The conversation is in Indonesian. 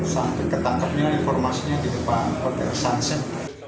sampai ketangkepnya informasinya di depan hotel sunset